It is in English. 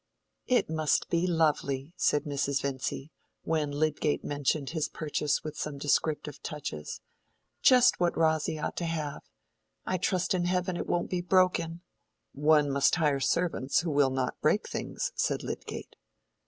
"It must be lovely," said Mrs. Vincy, when Lydgate mentioned his purchase with some descriptive touches. "Just what Rosy ought to have. I trust in heaven it won't be broken!" "One must hire servants who will not break things," said Lydgate.